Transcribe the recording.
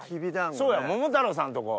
そうや桃太郎さんとこ。